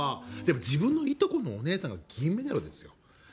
自分のいとこのお姉さんが銀メダルですよ。